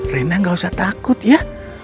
rena gak usah takut ya